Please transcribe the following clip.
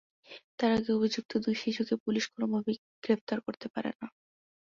তার আগে অভিযুক্ত দুই শিশুকে পুলিশ কোনোভাবেই গ্রেপ্তার করতে পারে না।